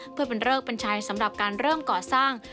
เพื่อเป็นเริกเป็นชัยสำหรับการเริ่มก่อสร้าง